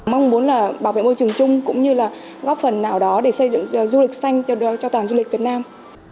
mong muốn là bảo vệ môi trường chung cũng như là góp phần nào đó để xây dựng du lịch xanh cho toàn du lịch việt nam